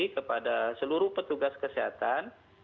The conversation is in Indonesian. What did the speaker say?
kepada seluruh petugas kesehatan